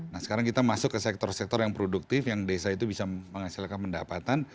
nah sekarang kita masuk ke sektor sektor yang produktif yang desa itu bisa menghasilkan pendapatan